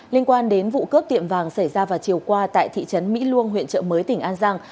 liên quan đến vụ cướp tiệm vàng xảy ra vào chiều qua tại thị trấn mỹ luông huyện trợ mới tỉnh an giang